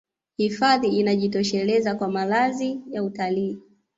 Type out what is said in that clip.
hifadhi inajitosheleza kwa malazi ya watalii